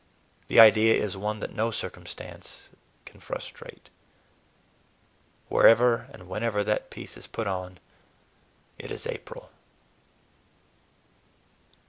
The idea is one that no circumstances can frustrate. Wherever and whenever that piece is put on, it is April.